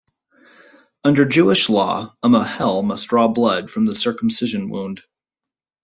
Under Jewish law, a mohel must draw blood from the circumcision wound.